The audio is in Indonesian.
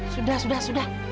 sudah sudah sudah